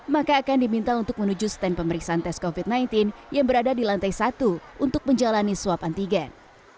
maka akan diminta untuk menuju stand pemeriksaan tes covid sembilan belas yang berada di lantai satu untuk menjalani swab antigen